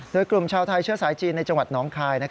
โดยกลุ่มชาวไทยเชื้อสายจีนในจังหวัดน้องคาย